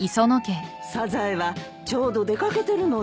サザエはちょうど出掛けてるのよ。